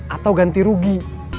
atau ganti rugi